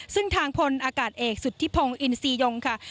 ซึ่งทางพลอากาศเอกสุธิพงศ์อินซียงค่ะ